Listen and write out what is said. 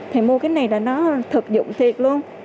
thì mua cái này là nó thực dụng thiệt luôn